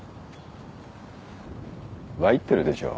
Ｙってるでしょ